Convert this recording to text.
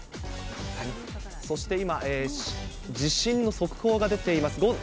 そして今、地震の速報が出ています。